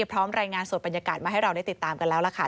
พร้อมรายงานสดบรรยากาศมาให้เราได้ติดตามกันแล้วล่ะค่ะ